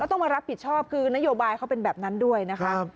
ต้องมารับผิดชอบคือนโยบายเขาเป็นแบบนั้นด้วยนะคะ